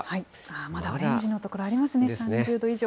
まだオレンジの所ありますね、３０度以上。